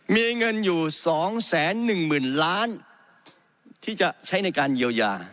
มีเงินอยู่๒๑๐๐๐ล้านที่จะใช้ในการเยียวยา